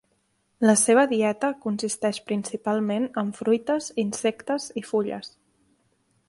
La seva dieta consisteix principalment en fruites, insectes i fulles.